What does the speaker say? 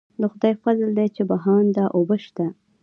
د خدای فضل دی چې بهانده اوبه شته.